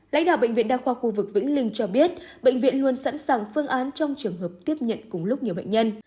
lãnh đạo bệnh viện đa khoa khu vực vĩnh linh cho biết bệnh viện luôn sẵn sàng phương án trong trường hợp tiếp nhận cùng lúc nhiều bệnh nhân